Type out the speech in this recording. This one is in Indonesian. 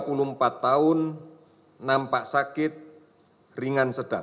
enam puluh perempuan dua puluh lima tahun nampak sakit ringan sedang